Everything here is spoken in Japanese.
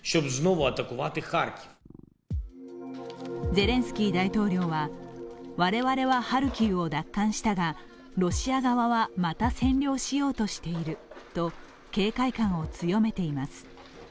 ゼレンスキー大統領は、我々はハルキウを奪還したがロシア側はまた占領しようとしていると警戒感を強めています。